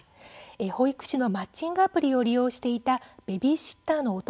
保育士のマッチングアプリを利用していたベビーシッターの男